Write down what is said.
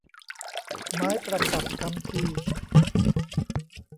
ไม้ประกับคัมภีร์